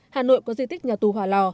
hà nội có di tích nhà tù hỏa lò